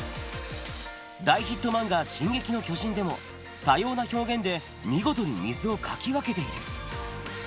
大ヒット漫画、進撃の巨人でも、多様な表現で見事に水を描き分けている。